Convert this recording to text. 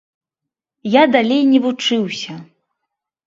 Я далей не вучыўся.